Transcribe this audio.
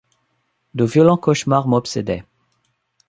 De violents cauchemars m’obsédaient.